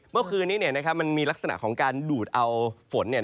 เมื่อคืนนี้มันมีลักษณะของการดูดเอาฝน